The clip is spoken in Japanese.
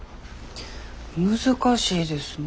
難しいですね。